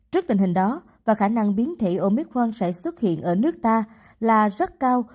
trước tình hình đó và khả năng biến thể omicron sẽ xuất hiện ở nước ta là rất cao